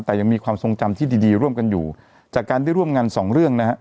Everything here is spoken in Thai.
แต่ยังมีความทรงจำที่ดีดีร่วมกันอยู่จากการได้ร่วมงานสองเรื่องนะฮะ